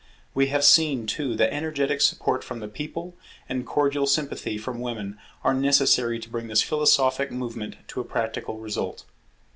We have seen too that energetic support from the People and cordial sympathy from Women are necessary to bring this philosophic movement to a practical result.